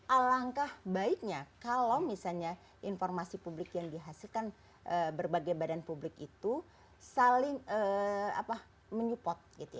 alangkah baiknya kalau misalnya informasi publik yang dihasilkan berbagai badan publik itu saling menyupport